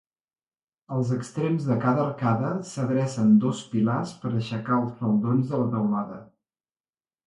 Als extrems de cada arcada s'adrecen dos pilars per aixecar els faldons de la teulada.